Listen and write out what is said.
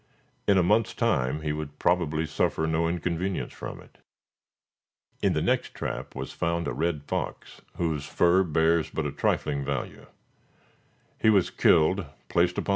In a month's time he would probably suffer no inconvenience from it. In the next trap was found a red fox, whose fur bears but a trifling value.